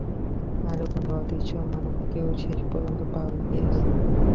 আরে বন্ধু, অদৃশ্য মানবকেও শেষ পর্যন্ত পাওয়া গিয়েছে।